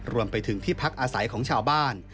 รวมไปถึงที่พักอาศัยของชาวบ้าน